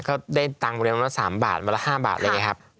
ก็ได้จบเงินมากว่า๓บาทมากว่า๕บาท